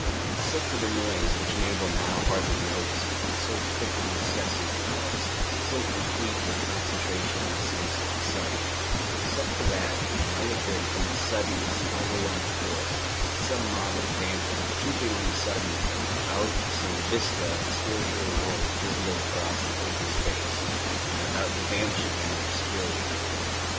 Except for the noise, which Mabel now hardly noticed, so thick and incessant it was, so complete her concentration in the sense of sight except for that, it might have been, from its suddenness and overwhelming force, some mob of phantoms trooping on a sudden out of some vista of the spiritual world visible across an open space, and about to vanish again in obscurity.